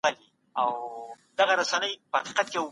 د ټولنيز پيوستون خيال وساتئ.